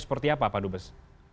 seperti apa pak dubes